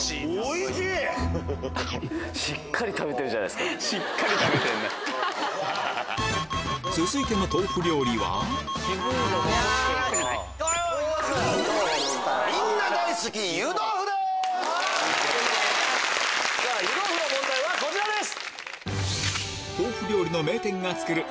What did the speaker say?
湯豆腐の問題はこちらです！